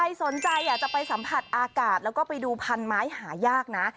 ใครสนใจจะไปสัมผัสอากาศแล้วกดูพรรณไม้หายากนะ